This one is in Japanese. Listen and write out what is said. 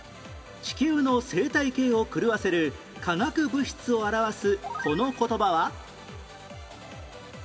地球の生態系を狂わせる化学物質を表すこの言葉は？